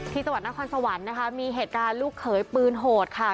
จังหวัดนครสวรรค์นะคะมีเหตุการณ์ลูกเขยปืนโหดค่ะ